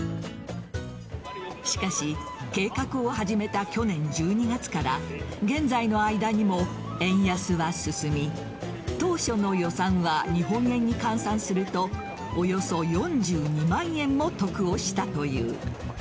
しかし計画を始めた去年１２月から現在の間にも円安が進み当初の予算は日本円に換算するとおよそ４２万円も得をしたという。